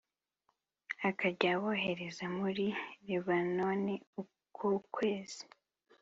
Akajya abohereza muri Lebanoni uko ukwezi